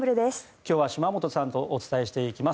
今日は島本さんとお伝えしていきます。